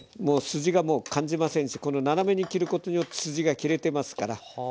筋がもう感じませんしこの斜めに切ることによって筋が切れてますから。